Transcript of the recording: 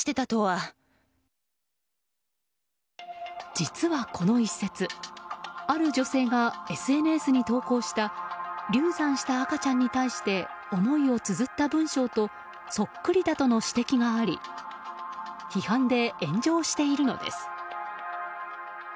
実は、この一節ある女性がＳＮＳに投稿した流産した赤ちゃんに対して思いをつづった文章とそっくりだとの指摘があり批判で炎上しているのです。